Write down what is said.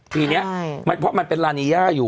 ทีนี้เพราะมันเป็นลานีย่าอยู่